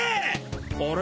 あれ？